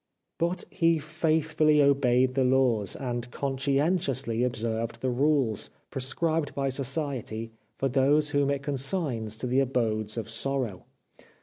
But he faithfully obeyed the laws, and con scientiously observed the rules, prescribed by Society for those whom it consigns to the abodes of sorrow.